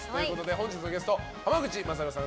本日のゲスト濱口優さん